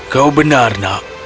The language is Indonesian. kau benar nak